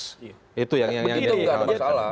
begitu nggak ada masalah